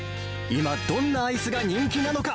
今、どんなアイスが人気なのか。